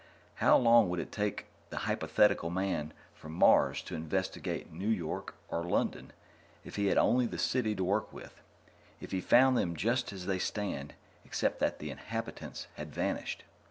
How long would it take the hypothetical Man From Mars to investigate New York or London if he had only the City to work with, if he found them just as they stand except that the inhabitants had vanished?